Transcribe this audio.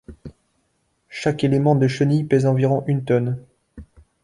Chaque élément de chenille pèse environ une tonne.